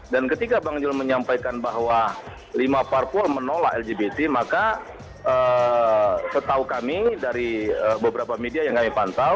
dan ketika bang zul menyampaikan bahwa lima parpol menolak lgbt maka setau kami dari beberapa media yang kami pantau